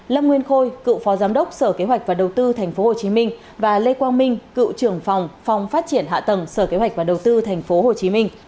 lâm nguyên khôi cựu phó giám đốc sở kế hoạch và đầu tư tp hcm và lê quang minh cựu trưởng phòng phòng phát triển hạ tầng sở kế hoạch và đầu tư tp hcm